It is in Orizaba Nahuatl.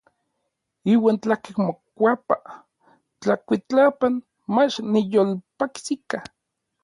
Iuan tlakej mokuapa tlakuitlapan, mach niyolpakis ika.